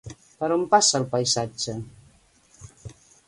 Per on passa el paisatge?